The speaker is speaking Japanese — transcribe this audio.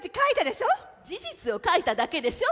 事実を書いただけでしょ。